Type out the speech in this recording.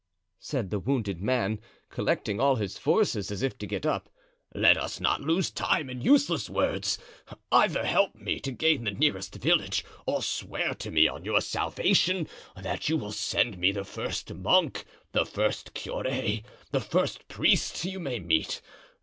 said the wounded man, collecting all his forces, as if to get up, "let us not lose time in useless words. Either help me to gain the nearest village or swear to me on your salvation that you will send me the first monk, the first curé, the first priest you may meet.